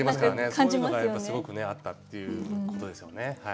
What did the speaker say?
そういうのがすごくねあったっていうことですよね。